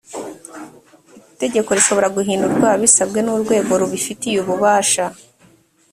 itegeko rishobora guhindurwa bisabwe n’urwego rubifitiye ububasha